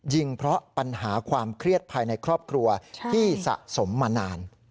เพราะปัญหาความเครียดภายในครอบครัวที่สะสมมานาน